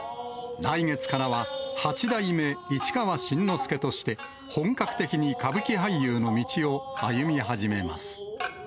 来月からは、八代目市川新之助として、本格的に歌舞伎俳優の道を歩み始めます。